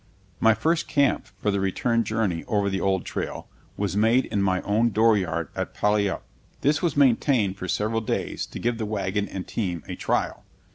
My first camp for the return journey over the old trail was made in my own dooryard at Puyallup. This was maintained for several days to give the wagon and team a trial.